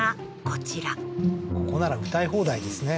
ここなら歌い放題ですね